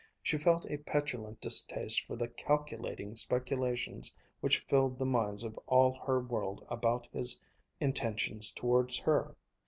She felt a petulant distaste for the calculating speculations which filled the minds of all her world about his intentions towards her.